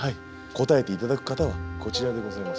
答えていただく方はこちらでございます。